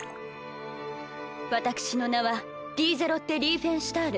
私の名はリーゼロッテ・リーフェンシュタール。